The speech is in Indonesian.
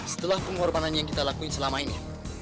setelah pengorbanan yang kita lakuin selama ini